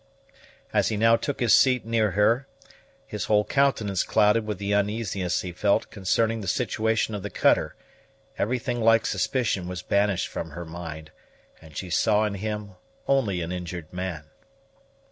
As he now took his seat near her, his whole countenance clouded with the uneasiness he felt concerning the situation of the cutter, everything like suspicion was banished from her mind, and she saw in him only an injured man.